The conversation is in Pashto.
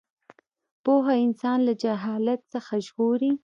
پوهه انسان له جهالت څخه ژغوري.